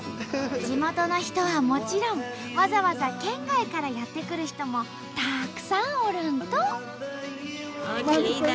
地元の人はもちろんわざわざ県外からやって来る人もたくさんおるんと！